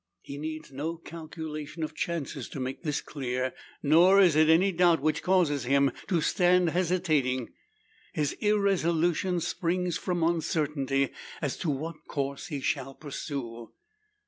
It needs no calculation of chances to make this clear. Nor is it any doubt which causes him to stand hesitating. His irresolution springs from uncertainty as to what course he shall pursue.